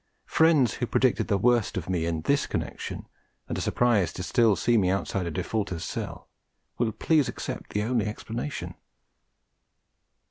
Friends who predicted the worst of me in this connection, and are surprised to see me still outside a defaulter's cell, will please accept the only explanation.